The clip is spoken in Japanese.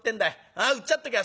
ああうっちゃっときゃ